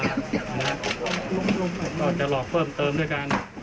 ก็จะหลอกเพิ่มเติมด้วยกัน